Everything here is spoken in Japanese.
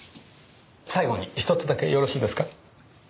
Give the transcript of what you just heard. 最後に１つだけよろしいですか？